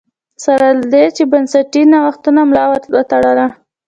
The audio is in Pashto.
سره له دې چې بنسټي نوښتونو ملا ور وتړله